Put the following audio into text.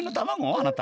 あなた。